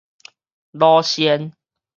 魯仙